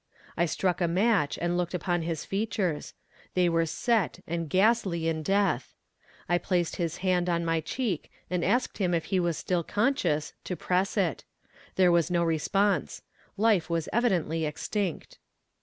I struck a match, and looked upon his features; they were set, and ghastly in death. I placed his hand on my cheek, and asked him if he was still conscious to press it. There was no response; life was evidently extinct.